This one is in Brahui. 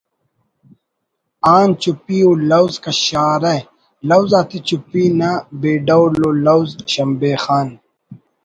آن چپی ءُ لوز کشارہ (لوز آتے چپی نہ بے ڈول ءُ لوز شمبے خان